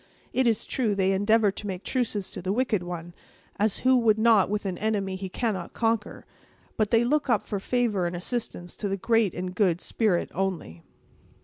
It is true, they endeavor to make truces to the wicked one—as who would not with an enemy he cannot conquer! but they look up for favor and assistance to the Great and Good Spirit only."